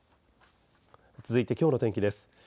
続いてきょうの天気です。